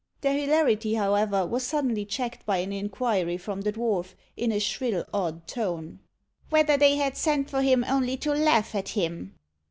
Their hilarity, however, was suddenly checked by an inquiry from the dwarf, in a shrill, odd tone, "Whether they had sent for him only to laugh at him?"